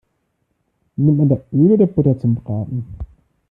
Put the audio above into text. Nimmt man da Öl oder Butter zum Braten?